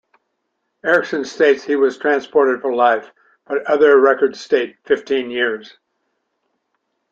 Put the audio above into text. Erickson states that he was transported for life, but other records state fifteen years.